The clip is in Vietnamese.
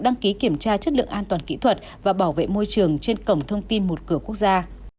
đăng ký kiểm tra chất lượng an toàn kỹ thuật và bảo vệ môi trường trên cổng thông tin một cửa quốc gia